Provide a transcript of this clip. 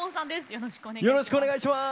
よろしくお願いします。